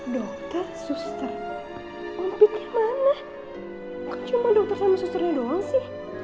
dokter suster omiknya mana kok cuma dokter sama susternya doang sih